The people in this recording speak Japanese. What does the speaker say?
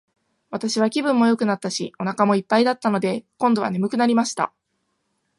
私は気分もよくなったし、お腹も一ぱいだったので、今度は睡くなりました。